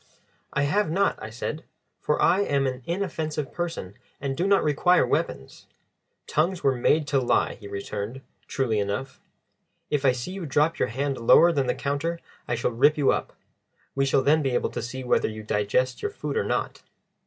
"I have not," I said, "for I am an inoffensive person and do not require weapons." "Tongues were made to lie," he returned, truly enough. "If I see you drop your hand lower than the counter I shall rip you up. We shall then be able to see whether you digest your food or not."